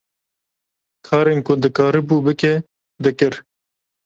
Karên ku dikarîbû bike, dikir.